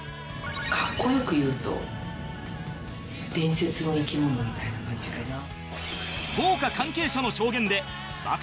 格好良く言うと伝説の生き物みたいな感じかな。